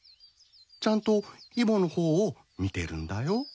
ちゃんとイボの方を見てるんだよ。